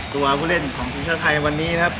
ตัวผู้เล่นของทีมชาติไทยวันนี้นะครับ